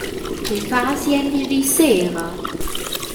Tgei fas gliendisdis sera?